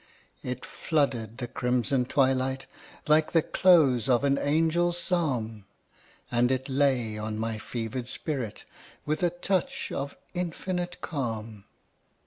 It flooded the crimson twilight Like the close of an Angel's Psalm, And it lay on my fevered spirit With a touch of infinite calm.